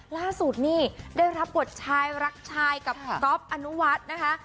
ล่าสุดนี่ได้รับบทชายรักชายกับก๊อฟอนุวัฒน์นะคะ